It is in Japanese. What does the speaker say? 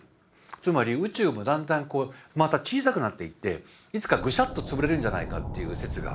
つまり宇宙もだんだんまた小さくなっていっていつかグシャッと潰れるんじゃないかっていう説が結構あったんです。